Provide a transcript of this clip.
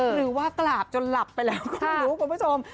หรือว่ากราบจนหลับไปแล้วก็ไม่รู้คุณผู้ชม